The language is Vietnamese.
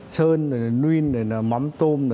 sơn nguyên mắm tôm